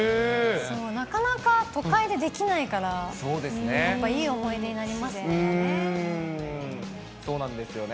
なかなか、都会でできないから、やっぱいい思い出になりますね。